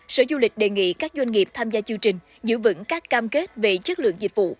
sở du lịch đề nghị các doanh nghiệp tham gia chương trình giữ vững các cam kết về chất lượng dịch vụ